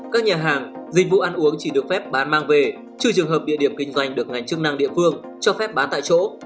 các nhà hàng dịch vụ ăn uống chỉ được phép bán mang về trừ trường hợp địa điểm kinh doanh được ngành chức năng địa phương cho phép bán tại chỗ